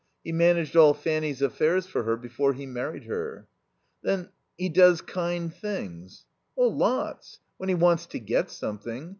He managed all Fanny's affairs for her before he married her." "Then he does kind things." "Lots. When he wants to get something.